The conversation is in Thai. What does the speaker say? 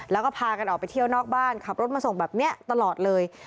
แล้วก็พากันออกไปเที่ยวนอกบ้านขับรถมาส่งแบบนี้ตลอดเลย